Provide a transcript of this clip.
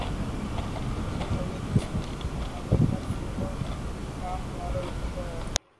وہی جمہوریت جس کی مذمت صبح و شام ہمارا وظیفہ ہے۔